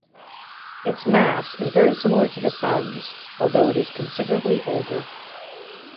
Its mass is very similar to the Sun's, although it is considerably older.